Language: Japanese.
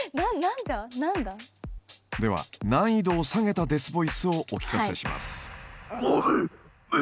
では難易度を下げたデスボイスをお聞かせします。